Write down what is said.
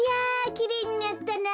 きれいになったな。